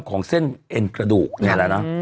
ของเส้นเอ็นกระดูกนี่แหละนะ